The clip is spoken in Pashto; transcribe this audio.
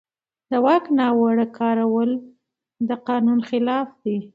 د واک ناوړه کارول د قانون خلاف دي.